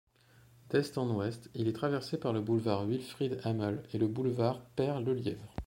D'est en ouest, il est traversé par le boulevard Wilfrid-Hamel et le boulevard Père-Lelièvre.